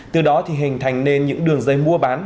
từ đó thì hình thành nên những đường dây mua bán